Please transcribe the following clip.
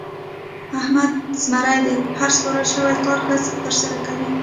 احمد زمری دی؛ هر سپارل شوی کار ښه ترسره کوي.